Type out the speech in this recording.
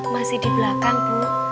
masih di belakang bu